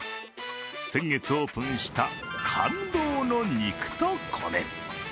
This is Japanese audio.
先月オープンした、感動の肉と米。